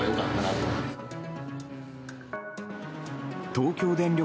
東京電力